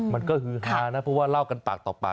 มันก็ฮือฮานะเพราะว่าเล่ากันปากต่อปาก